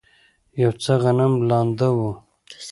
یو څه غنم لانده و.